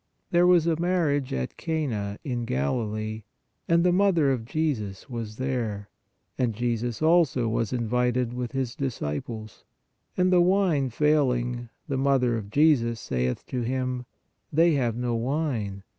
" There was a marriage at Cana in Galilee, and the Mother of Jesus was there; and Jesus also was invited with His disciples. And the wine failing, the Mother of Jesus saith to Him: They have no wine.